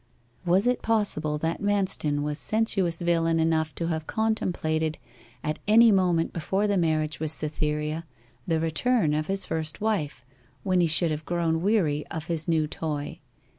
Was it possible that Manston was sensuous villain enough to have contemplated, at any moment before the marriage with Cytherea, the return of his first wife, when he should have grown weary of his new toy?